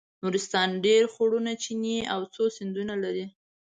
نورستان ډېر خوړونه چینې او څو سیندونه لري.